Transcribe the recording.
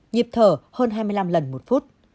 nhịp thở hơn hai mươi năm lần một phút